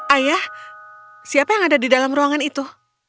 ayah siapa yang ada di dalam ruangan itu